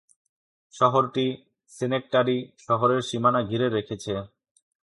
শহরটি সেনেক্টাডি শহরের সীমানা ঘিরে রেখেছে।